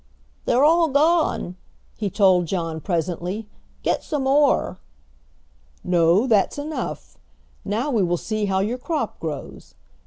"They're all gone!" he told John presently; "get some more." "No, that's enough. Now we will see how your crop grows.